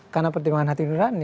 karena pertimbangan hati unirani